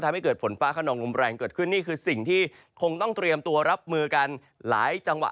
ทำให้เกิดฝนฟ้าขนองลมแรงเกิดขึ้นนี่คือสิ่งที่คงต้องเตรียมตัวรับมือกันหลายจังหวะ